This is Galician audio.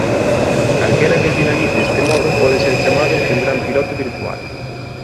Calquera que finalice este modo pode ser chamado un "gran piloto virtual".